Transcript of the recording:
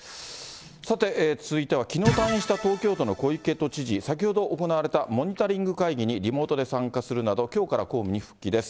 さて、続いては、きのう退院した東京都の小池都知事、先ほど行われたモニタリング会議にリモートで参加するなど、きょうから公務に復帰です。